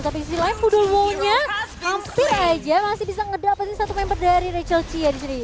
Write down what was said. tapi di sisi lain pudol wow nya hampir aja masih bisa ngedapet sih satu member dari rachel chia di sini